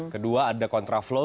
kedua ada kontra flow